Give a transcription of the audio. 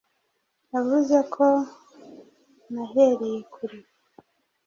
Yavuze ko nahereye kure